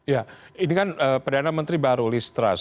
ya ini kan perdana menteri baru lee strauss